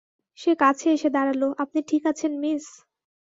সে কাছে এসে দাঁড়ালো, - আপনি ঠিক আছেন, মিস?